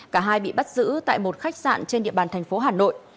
cả hai bị bắt giữ tại một khách sạn trên địa bàn thành phố hà nội